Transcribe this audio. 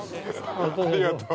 ◆ありがとう。